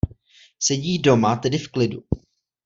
Sedí doma tedy v klidu.